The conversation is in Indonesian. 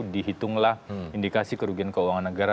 dihitunglah indikasi kerugian keuangan negara